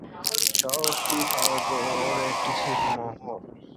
শহরটি ফারগোর একটি ছিটমহল।